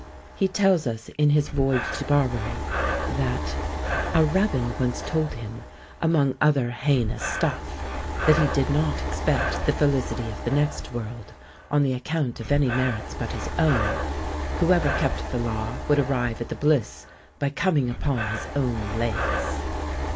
He tells us, in his voyage to Barbary, that "A rabbin once told him, among other heinous stuff, that he did not expect the felicity of the next world on the account of any merits but his own; whoever kept the law would arrive at the bliss, by coming upon his own legs."